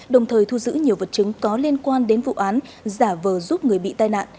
đồng thời thu giữ nhiều vật chứng có liên quan đến vụ án giả vờ giúp người bị tai nạn